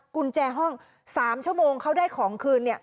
กุญแจห้อง๓ชั่วโมงเขาได้ของคืนเนี่ย